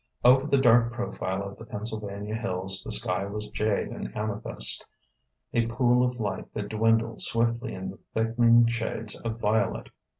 Over the dark profile of the Pennsylvania hills the sky was jade and amethyst, a pool of light that dwindled swiftly in the thickening shades of violet.